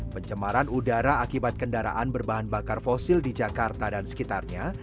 pencemaran udara akibat kendaraan berbahan bakar fosil di jakarta dan sekitarnya